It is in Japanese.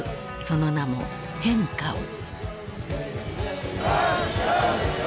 その名も「変化を！」。